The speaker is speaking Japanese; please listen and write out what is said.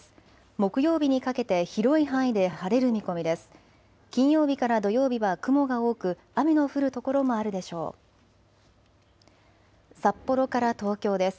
木曜日にかけて広い範囲で晴れる見込みです。